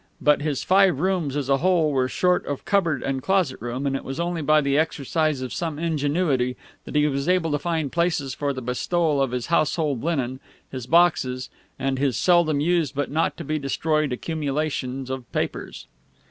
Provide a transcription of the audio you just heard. But his five rooms, as a whole, were short of cupboard and closet room; and it was only by the exercise of some ingenuity that he was able to find places for the bestowal of his household linen, his boxes, and his seldom used but not to be destroyed accumulations of papers.